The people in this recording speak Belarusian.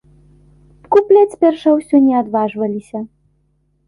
Купляць спярша ўсё не адважваліся.